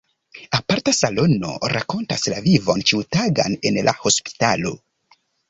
Aparta salono rakontas la vivon ĉiutagan en la hospitalo.